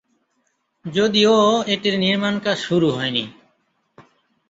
যদিও এটির নির্মাণকাজ শুরু হয়নি।